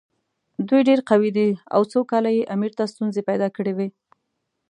دوی ډېر قوي دي او څو کاله یې امیر ته ستونزې پیدا کړې وې.